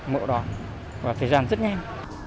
mẫu đoàn và thời gian rất nhanh